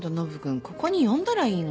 ここに呼んだらいいのに。